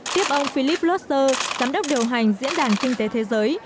tiếp ông philip loster giám đốc điều hành diễn đàn kinh tế thế giới